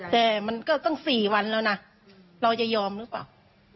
แต่มันก็ตั้ง๔วันแล้วนะเราจะยอมหรือเปล่า